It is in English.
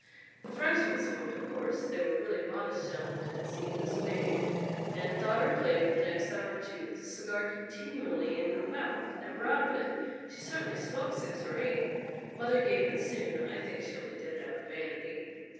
The Frenchmen smoked of course (they were really modest gentlemen and seemed dismayed), and daughter played for the next hour or two with a cigar continually in her mouth never out of it. She certainly smoked six or eight. Mother gave in soon I think she only did it out of vanity.